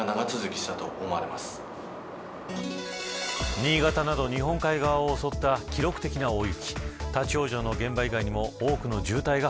新潟など、日本海側を襲った記録的な大雪。